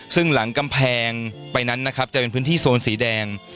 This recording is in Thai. ซึ่งหลังกำแพงไปนั้นนะครับจะเป็นพื้นที่โซนสีแดง